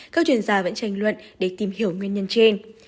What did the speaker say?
các chuyên gia vẫn tranh luận để tìm hiểu nguyên nhân trên